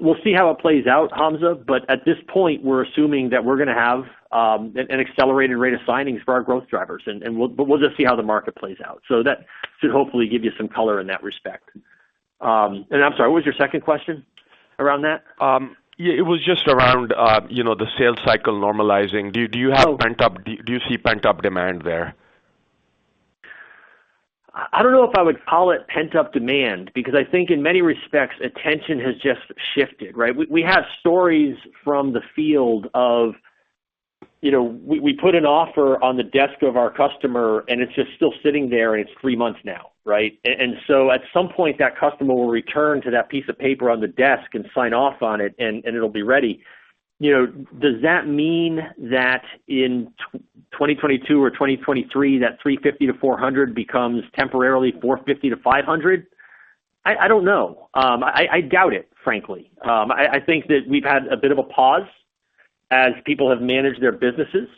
[SPEAKER 4] We'll see how it plays out, Hamzah, but at this point, we're assuming that we're gonna have an accelerated rate of signings for our growth drivers. We'll just see how the market plays out. That should hopefully give you some color in that respect. I'm sorry, what was your second question around that?
[SPEAKER 8] Yeah, it was just around, you know, the sales cycle normalizing. Do you see pent-up demand there?
[SPEAKER 4] I don't know if I would call it pent-up demand because I think in many respects, attention has just shifted, right? We have stories from the field, you know, we put an offer on the desk of our customer and it's just still sitting there and it's three months now, right? At some point, that customer will return to that piece of paper on the desk and sign off on it and it'll be ready. You know, does that mean that in 2022 or 2023, that 350-400 signings becomes temporarily 450-500 signings? I don't know. I doubt it, frankly. I think that we've had a bit of a pause as people have managed their businesses.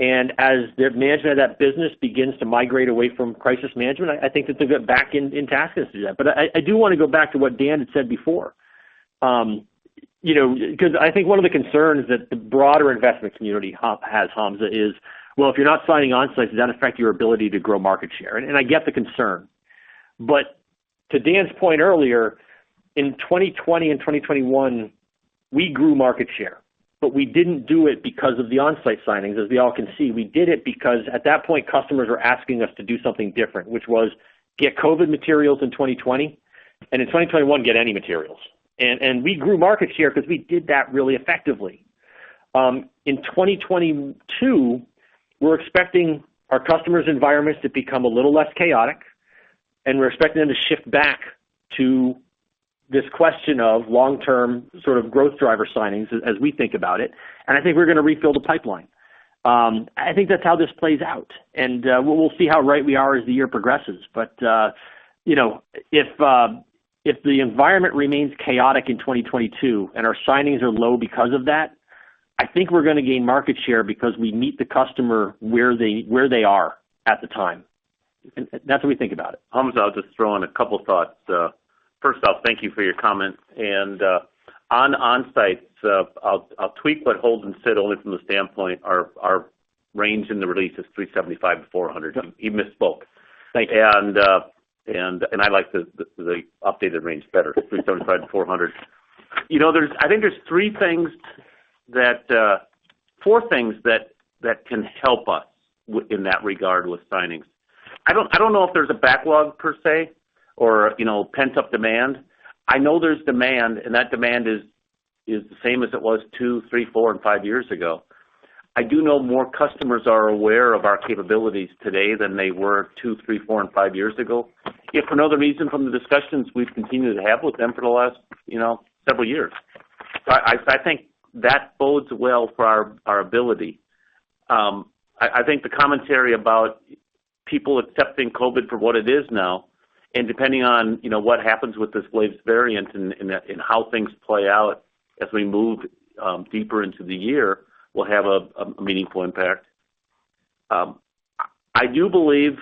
[SPEAKER 4] As their management of that business begins to migrate away from crisis management, I think that they'll get back on task as it is. I do wanna go back to what Dan had said before. You know, because I think one of the concerns that the broader investment community has, Hamzah, is, well, if you're not signing onsite, does that affect your ability to grow market share? I get the concern. To Dan's point earlier, in 2020 and 2021, we grew market share, but we didn't do it because of the onsite signings, as we all can see. We did it because at that point, customers were asking us to do something different, which was get COVID materials in 2020, and in 2021, get any materials. We grew market share because we did that really effectively. In 2022, we're expecting our customers' environments to become a little less chaotic, and we're expecting them to shift back to this question of long-term sort of growth driver signings as we think about it, and I think we're gonna refill the pipeline. I think that's how this plays out, and we'll see how right we are as the year progresses. You know, if the environment remains chaotic in 2022, and our signings are low because of that, I think we're gonna gain market share because we meet the customer where they are at the time. That's what we think about it.
[SPEAKER 3] Hamzah, I'll just throw in a couple thoughts. First off, thank you for your comments. On onsite, I'll tweak what Holden said only from the standpoint, our range in the release is 375-400 signings.
[SPEAKER 4] Yep.
[SPEAKER 3] You misspoke.
[SPEAKER 4] Thank you.
[SPEAKER 3] I like the updated range better, 375-400 signings. You know, I think there's three things that, four things that can help us win in that regard with signings. I don't know if there's a backlog per se or, you know, pent-up demand. I know there's demand, and that demand is the same as it was two, three, four and five years ago. I do know more customers are aware of our capabilities today than they were two, three, four and five years ago, if for no other reason from the discussions we've continued to have with them for the last, you know, several years. I think that bodes well for our ability. I think the commentary about people accepting COVID-19 for what it is now and depending on, you know, what happens with this latest variant, and that, and how things play out as we move deeper into the year will have a meaningful impact. I do believe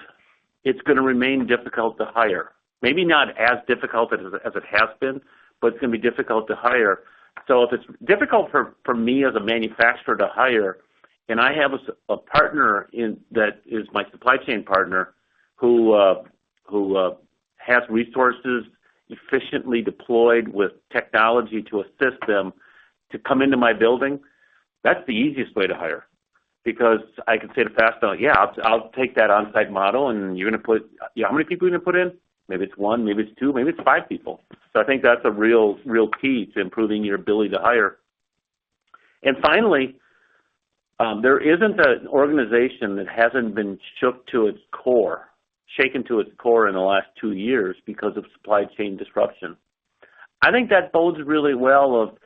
[SPEAKER 3] it's gonna remain difficult to hire. Maybe not as difficult as it has been, but it's gonna be difficult to hire. If it's difficult for me, as a manufacturer, to hire, and I have a partner, that is, my supply chain partner, who has resources efficiently deployed with technology to assist them to come into my building, that's the easiest way to hire because I can say to Fastenal, "Yeah, I'll take that onsite model, and you're gonna put...how many people are you gonna put in?" Maybe it's one, maybe it's two, maybe it's five people. I think that's a real key to improving your ability to hire. Finally, there isn't an organization that hasn't been shaken to its core in the last two years because of supply chain disruption. I think that bodes really well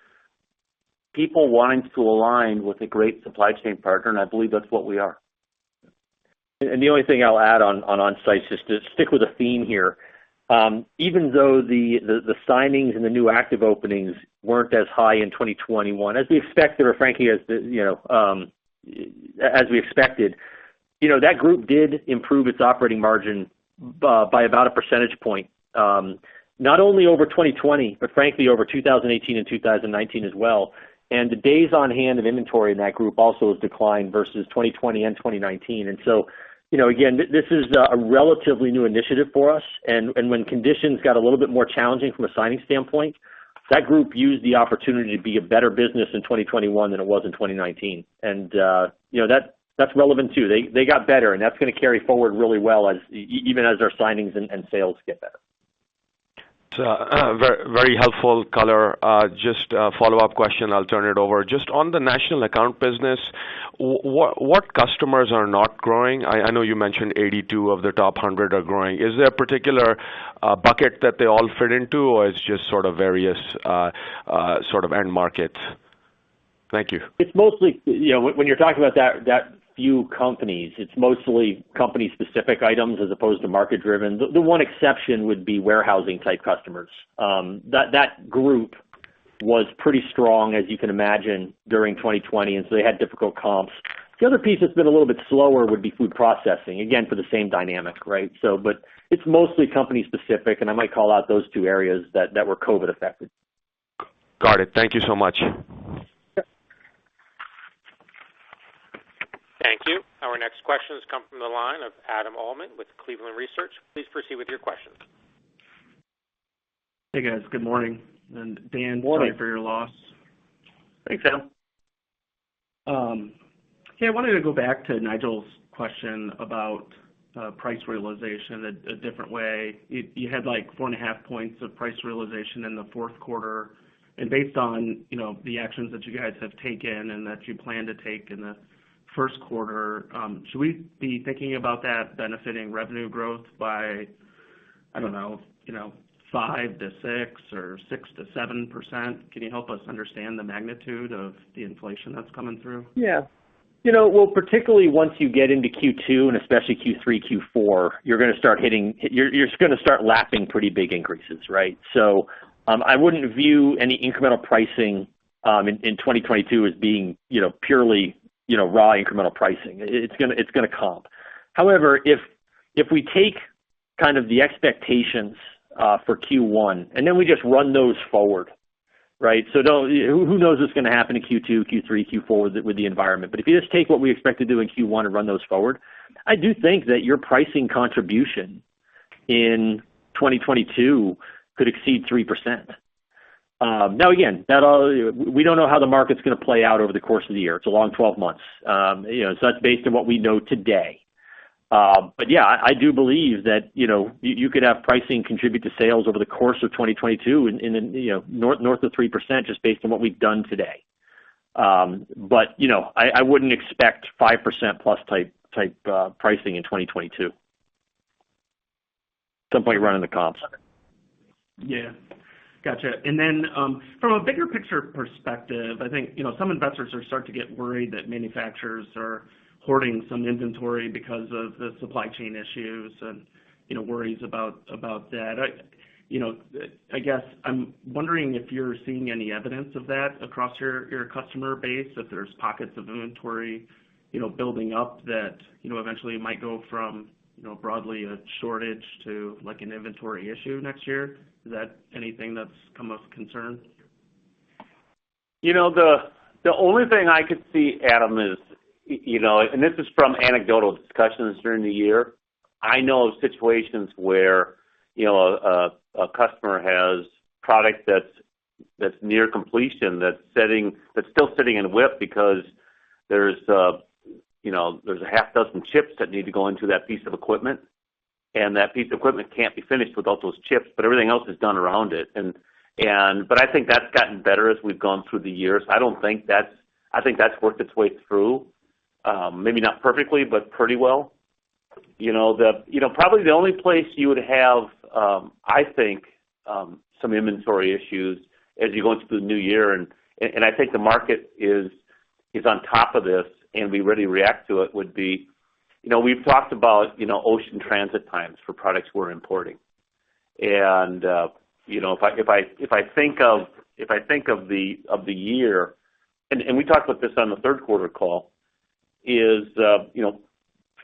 [SPEAKER 3] for people wanting to align with a great supply chain partner, and I believe that's what we are.
[SPEAKER 4] The only thing I'll add on onsite, just to stick with a theme here. Even though the signings and the new active openings weren't as high in 2021 as we expected, that group did improve its operating margin by about a percentage point, not only over 2020, but frankly over 2018 and 2019 as well. The days on hand of inventory in that group also has declined versus 2020 and 2019. This is a relatively new initiative for us. When conditions got a little bit more challenging from a signing standpoint, that group used the opportunity to be a better business in 2021 than it was in 2019. You know, that's relevant too. They got better, and that's gonna carry forward really well, as even as their signings and sales get better.
[SPEAKER 8] Very helpful color. Just a follow-up question, I'll turn it over. Just on the national account business, what customers are not growing? I know you mentioned 82 of the top 100 are growing. Is there a particular bucket that they all fit into, or it's just sort of various sort of end markets? Thank you.
[SPEAKER 3] You know, when you're talking about that few companies, it's mostly company specific items as opposed to market driven. The one exception would be warehousing type customers. That group was pretty strong, as you can imagine, during 2020, and they had difficult comps. The other piece that's been a little bit slower would be food processing. Again, for the same dynamic, right? It's mostly company specific, and I might call out those two areas that were COVID affected.
[SPEAKER 8] Got it. Thank you so much.
[SPEAKER 3] Yep.
[SPEAKER 1] Thank you. Our next question has come from the line of Adam Uhlman with Cleveland Research. Please proceed with your questions.
[SPEAKER 9] Hey, guys. Good morning. Dan-
[SPEAKER 3] Morning....
[SPEAKER 9] sorry for your loss.
[SPEAKER 3] Thanks, Adam.
[SPEAKER 9] Okay. I wanted to go back to Nigel's question about price realization a different way. You had like 4.5 points of price realization in the fourth quarter. Based on, you know, the actions that you guys have taken and that you plan to take in the first quarter, should we be thinking about that benefiting revenue growth by, I don't know, you know, 5%-6% or 6%-7%? Can you help us understand the magnitude of the inflation that's coming through?
[SPEAKER 4] Yeah. You know, well, particularly once you get into Q2 and especially Q3, Q4, you are just going to start lapping pretty big increases, right? I would not view any incremental pricing in 2022 as being, you know, purely, you know, raw incremental pricing. It is going to comp. However, if we take kind of the expectations for Q1 and then we just run those forward, right? Who knows what is going to happen in Q2, Q3, Q4 with the environment? If you just take what we expect to do in Q1 and run those forward, I do think that your pricing contribution in 2022 could exceed 3%. Now, again, we do not know how the market is going to play out over the course of the year. It is a long 12 months. That's based on what we know today. Yeah, I do believe that you know you could have pricing contribute to sales over the course of 2022 in, you know, north of 3% just based on what we've done today. You know, I wouldn't expect 5%+ type pricing in 2022. Some point running the comps on it.
[SPEAKER 9] Yeah. Gotcha. From a bigger picture perspective, I think, you know, some investors are starting to get worried that manufacturers are hoarding some inventory because of the supply chain issues and, you know, worries about that. You know, I guess I'm wondering if you're seeing any evidence of that across your customer base, if there's pockets of inventory, you know, building up that, you know, eventually might go from, you know, broadly a shortage to like an inventory issue next year. Is that anything that's come of concern?
[SPEAKER 3] You know, the only thing I could see, Adam, is, you know, and this is from anecdotal discussions during the year. I know of situations where, you know, a customer has product that's near completion, that's still sitting in a WIP because there's, you know, there's a half dozen chips that need to go into that piece of equipment, and that piece of equipment can't be finished without those chips, but everything else is done around it. But I think that's gotten better as we've gone through the years. I think that's worked its way through, maybe not perfectly, but pretty well. You know, probably the only place you would have, I think, some inventory issues as you go into the new year, and I think the market is on top of this and we really react to it would be, you know, we've talked about, you know, ocean transit times for products we're importing. You know, if I think of the year, and we talked about this on the third quarter call,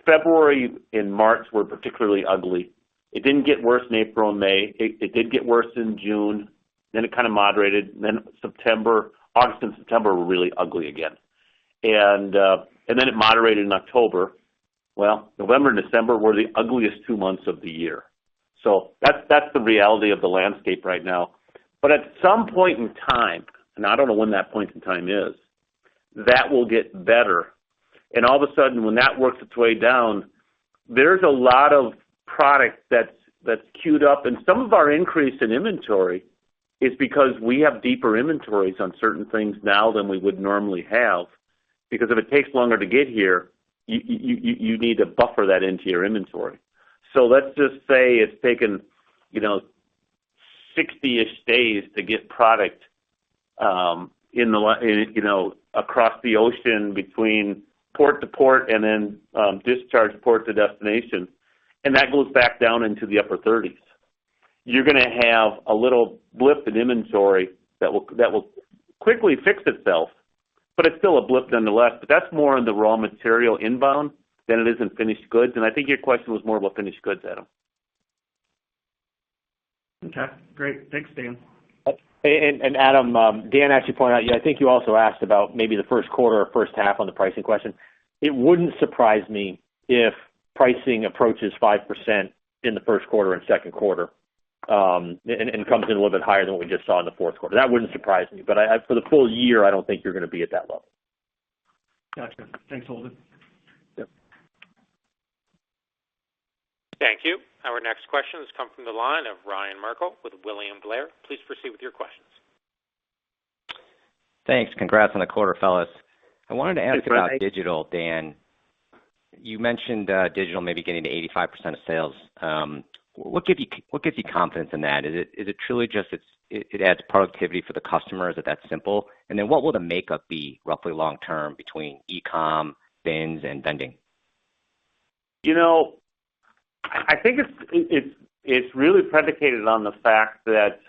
[SPEAKER 3] February and March were particularly ugly. It didn't get worse in April and May. It did get worse in June, then it kind of moderated. Then, August and September were really ugly again. Then, it moderated in October. Well, November and December were the ugliest two months of the year. That's the reality of the landscape right now. At some point in time, and I don't know when that point in time is, that will get better. All of a sudden, when that works its way down, there's a lot of product that's queued up. Some of our increase in inventory is because we have deeper inventories on certain things now than we would normally have, because if it takes longer to get here, you need to buffer that into your inventory. Let's just say it's taken, you know, in the range of 60 days to get product, you know, across the ocean between port to port and then, discharge port to destination, and that goes back down into the upper 30 days. You're gonna have a little blip in inventory that will quickly fix itself, but it's still a blip nonetheless. That's more in the raw material inbound than it is in finished goods. I think your question was more about finished goods, Adam.
[SPEAKER 9] Okay, great. Thanks, Dan.
[SPEAKER 4] Adam, Dan actually pointed out. Yeah, I think you also asked about maybe the first quarter or first half on the pricing question. It wouldn't surprise me if pricing approaches 5% in the first quarter and second quarter, and comes in a little bit higher than what we just saw in the fourth quarter. That wouldn't surprise me. I, for the full year, I don't think you're gonna be at that level.
[SPEAKER 9] Gotcha. Thanks, Holden.
[SPEAKER 4] Yep.
[SPEAKER 1] Thank you. Our next question has come from the line of Ryan Merkel with William Blair. Please proceed with your questions.
[SPEAKER 10] Thanks. Congrats on the quarter, fellas. I wanted to ask-
[SPEAKER 3] Thanks Ryan....
[SPEAKER 10] about digital, Dan. You mentioned digital maybe getting to 85% of sales. What gives you confidence in that? Is it truly just, it adds productivity for the customer? Is it that simple? Then, what will the makeup be roughly long term between e-com, bins and vending?
[SPEAKER 3] You know, I think it's really predicated on the fact that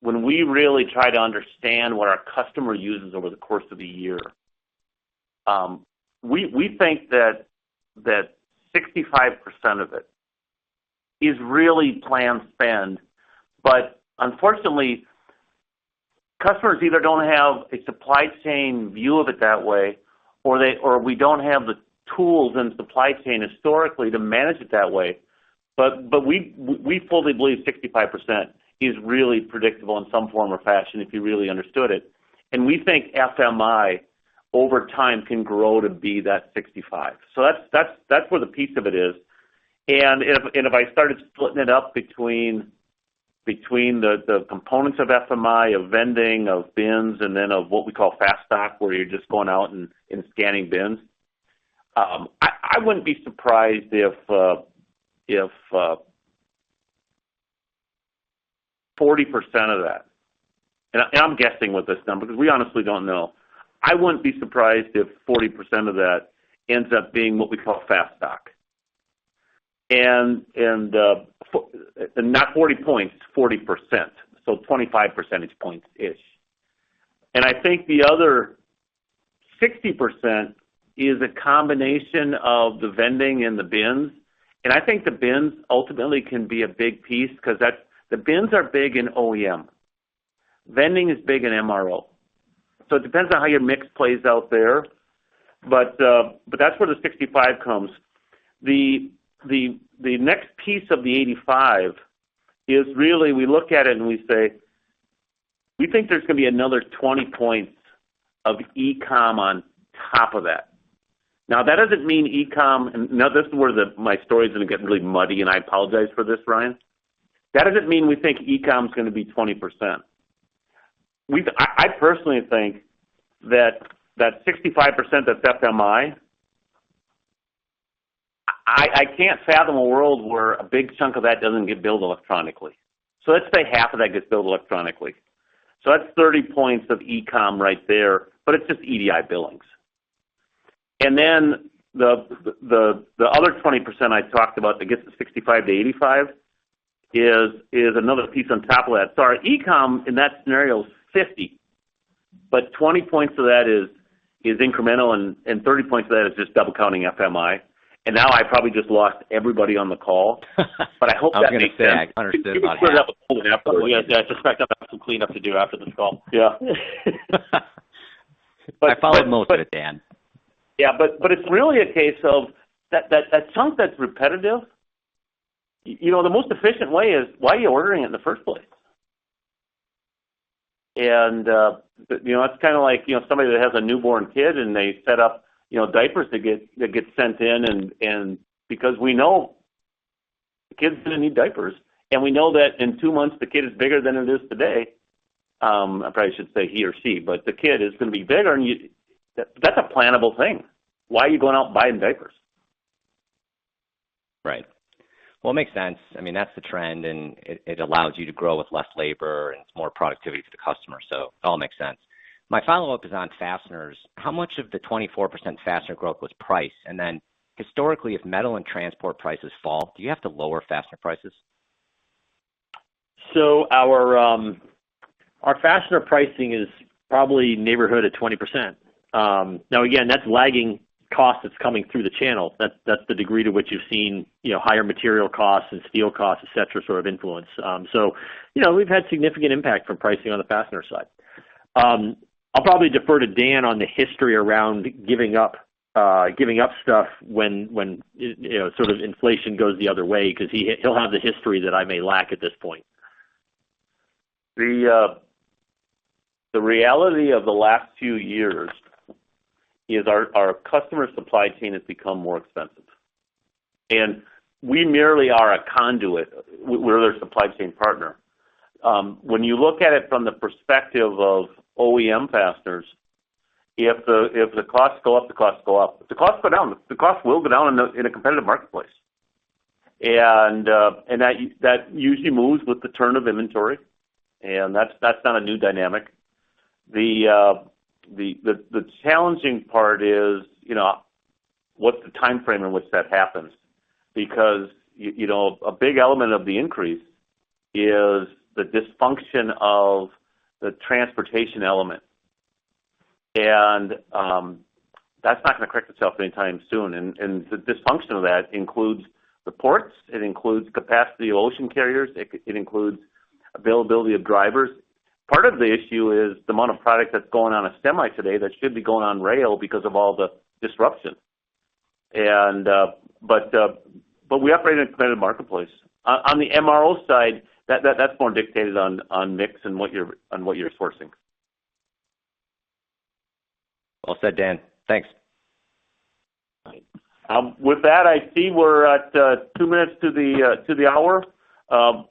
[SPEAKER 3] when we really try to understand what our customer uses over the course of a year, we think that 65% of it is really planned spend. Unfortunately, customers either don't have a supply chain view of it that way, or we don't have the tools in supply chain historically to manage it that way. We fully believe 65% is really predictable in some form or fashion if you really understood it. We think FMI over time can grow to be that 65%. That's where the piece of it is. If I started splitting it up between the components of FMI, vending, bins, and then what we call FASTStock, where you're just going out and scanning bins, I wouldn't be surprised if 40% of that ends up being what we call FASTStock. I'm guessing with this number because we honestly don't know. Not 40 points, 40%, so in the range of 25 percentage points. I think the other 60% is a combination of the vending and the bins. I think the bins ultimately can be a big piece 'cause the bins are big in OEM. Vending is big in MRO. It depends on how your mix plays out there, but that's where the 65% comes. The next piece of the 85% is really we look at it and we say, "We think there's gonna be another 20 points of e-com on top of that." Now, that doesn't mean e-com. Now, this is where my story's gonna get really muddy, and I apologize for this, Ryan. That doesn't mean we think e-com's gonna be 20%. I personally think that that 65% that's FMI, I can't fathom a world where a big chunk of that doesn't get billed electronically. Let's say 1/2 of that gets billed electronically. That's 30 points of e-com right there, but it's just EDI billings. Then, the other 20% I talked about that gets us 65%-85% is another piece on top of that. Our e-com in that scenario is 50 points, but 20 points of that is incremental and 30 points of that is just double counting FMI. Now, I probably just lost everybody on the call. I hope that makes sense.
[SPEAKER 10] I was gonna say, I understood about half.
[SPEAKER 3] You probably should have a follow-up.
[SPEAKER 10] Yeah.
[SPEAKER 3] I suspect I'll have some cleanup to do after this call. Yeah.
[SPEAKER 10] I followed most of it, Dan.
[SPEAKER 3] Yeah. It's really a case of that chunk that's repetitive, you know, the most efficient way is why are you ordering it in the first place? You know, that's kind of like, you know, somebody that has a newborn kid and they set up, you know, diapers that get sent in, and because we know the kid's gonna need diapers, and we know that in two months the kid is bigger than it is today. I probably should say he or she, but the kid is gonna be bigger. That's a plannable thing. Why are you going out and buying diapers?
[SPEAKER 10] Right. Well, it makes sense. I mean, that's the trend, and it allows you to grow with less labor, and it's more productivity for the customer. It all makes sense. My follow-up is on fasteners. How much of the 24% fastener growth was price? And then historically, if metal and transport prices fall, do you have to lower fastener prices?
[SPEAKER 4] Our fastener pricing is probably in the neighborhood of 20%. Now again, that's lagging cost that's coming through the channel. That's the degree to which you've seen, you know, higher material costs and steel costs, et cetera, sort of influence. So, you know, we've had significant impact from pricing on the fastener side. I'll probably defer to Dan on the history around giving up stuff when, you know, sort of inflation goes the other way because he'll have the history that I may lack at this point. The reality of the last few years is, our customer supply chain has become more expensive, and we merely are a conduit. We're their supply chain partner.
[SPEAKER 3] When you look at it from the perspective of OEM fasteners, if the costs go up, the costs go up. If the costs go down, the costs will go down in a competitive marketplace. That usually moves with the turn of inventory, and that's not a new dynamic. The challenging part is, you know, what's the timeframe in which that happens? Because, you know, a big element of the increase is the dysfunction of the transportation element. That's not gonna correct itself anytime soon. The dysfunction of that includes the ports, it includes capacity of ocean carriers, it includes availability of drivers. Part of the issue is the amount of product that's going on a semi today that should be going on rail because of all the disruption. But we operate in a competitive marketplace. On the MRO side, that's more dictated on mix and what you're sourcing.
[SPEAKER 10] Well said, Dan. Thanks. All right.
[SPEAKER 3] With that, I see we're at 2 minutes to the hour.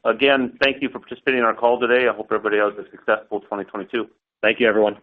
[SPEAKER 3] Again, thank you for participating in our call today. I hope everybody has a successful 2022. Thank you, everyone.